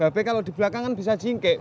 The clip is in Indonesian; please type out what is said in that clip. peh kalau di belakang kan bisa jingkek